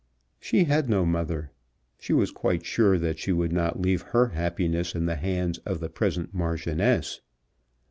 She had no mother. She was quite sure that she would not leave her happiness in the hands of the present Marchioness.